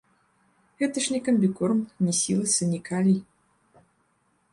Гэта ж не камбікорм, не сілас і не калій.